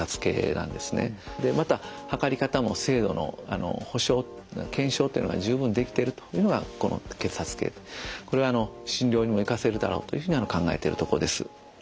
また測り方も精度の保証検証というのが十分できてるというのがこの血圧計でこれはあの診療にも生かせるだろうというふうに考えているとこです。